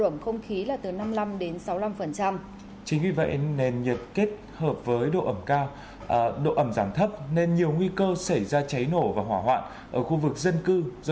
nói chung là nắng nóng ở khu vực trung bộ